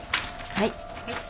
はい。